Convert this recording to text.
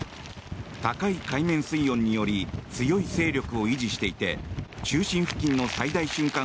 高い海面水温により強い勢力を維持していて中心付近の最大瞬間